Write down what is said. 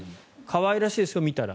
可愛らしいですよ見たら。